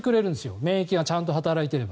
免疫がちゃんと働いていれば。